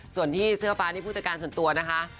ส่วนที่เสื้อฟ้านี่ผู้จัดการส่วนตัวนะคะ